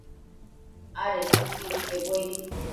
adenquio iquebi quebuedi